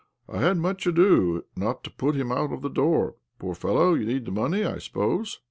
I had much ado not to put him out of the door. ' Poor fellow, you need the money, I suppose